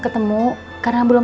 pak mustaqim lagi di rumah